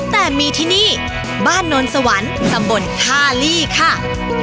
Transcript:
แต่มีที่นี่บ้านโนนสวรรค์ตำบลท่าลี่ค่ะ